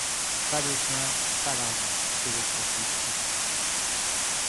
Pas de chiens, pas d'argent, et le scorbut en plus.